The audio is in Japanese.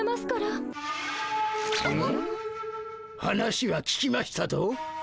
話は聞きましたぞ。